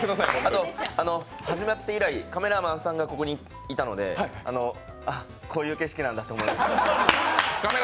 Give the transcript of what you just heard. あと始まって以来、カメラマンさんがここにいたので、あっ、こういう景色なんだと思いました。